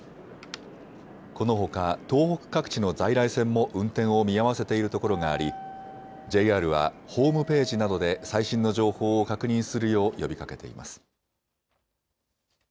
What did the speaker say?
このほか東北各地の在来線も運転を見合わせているところがありＪＲはホームページなどで最新の情報を確認するよう呼びかけています。